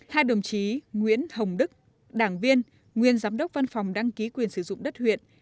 hai đồng chí nguyễn hồng đức đảng viên nguyên giám đốc văn phòng đăng ký quyền sử dụng đất huyện